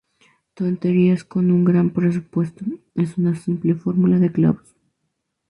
Tonterías con un gran presupuesto, es una simple fórmula de clavos...